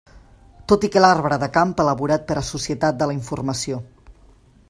Tot i que l'arbre de camp elaborat per a Societat de la informació.